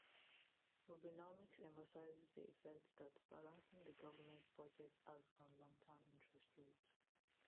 Rubinomics emphasizes the effect that balancing the government budget has on long-term interest rates.